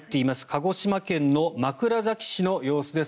鹿児島県の枕崎市の様子です。